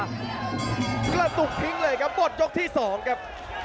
กระตุกทิ้งเลยครับหมดยกที่๒ครับ